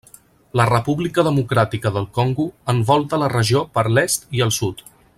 La República Democràtica del Congo, envolta la regió per l'est i el sud.